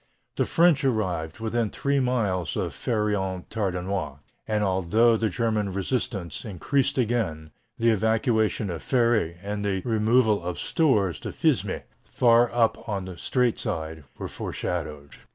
The French arrived within three miles of Fère en Tardenois, and although the German resistance increased again, the evacuation of Fère and the removal of stores to Fismes, far up on the straight line, were foreshadowed.